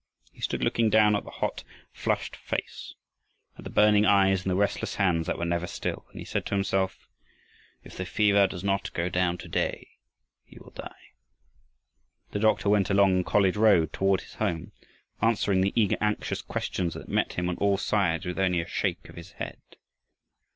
He stood looking down at the hot, flushed face, at the burning eyes, and the restless hands that were never still, and he said to himself, "If the fever does not go down to day, he will die." The doctor went along "College Road" toward his home, answering the eager, anxious questions that met him on all sides with only a shake of his head.